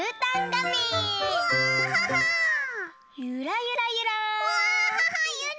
ゆらゆらゆら。